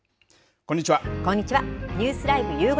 こんにちは。